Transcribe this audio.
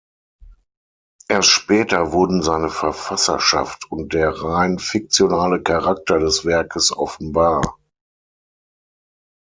Erst später wurden seine Verfasserschaft und der rein fiktionale Charakter des Werkes offenbar.